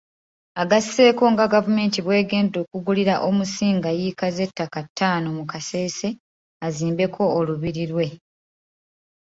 Agasseeko nga gavumenti bw'egenda okugulira Omusinga yiika z'ettaka ttaano mu Kasese azimbeko olubiri lwe.